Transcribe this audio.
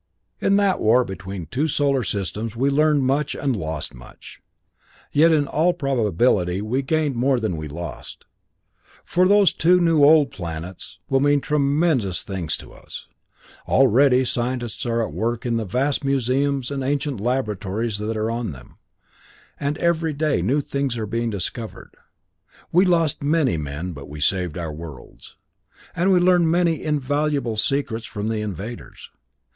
In that war between two solar systems we learned much and lost much. Yet, in all probability we gained more than we lost, for those two new old planets will mean tremendous things to us. Already scientists are at work in the vast museums and ancient laboratories that are on them, and every day new things are being discovered. We lost many men, but we saved our worlds, and we learned many invaluable secrets from the invaders.